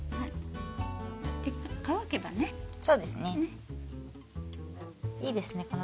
いいですね